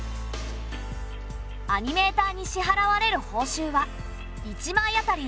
アニメーターに支払われる報酬は１枚あたり